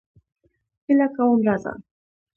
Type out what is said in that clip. هیله کوم راځه.